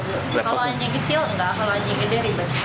kalau anjing kecil enggak kalau anjing gede ribet